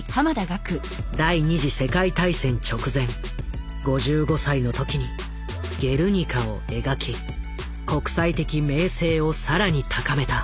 第２次世界大戦直前５５歳の時に「ゲルニカ」を描き国際的名声を更に高めた。